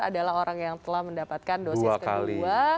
adalah orang yang telah mendapatkan dosis kedua